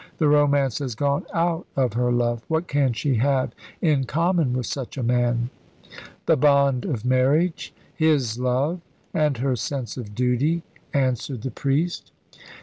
The romance has gone out of her love. What can she have in common with such a man?" "The bond of marriage his love, and her sense of duty," answered the priest.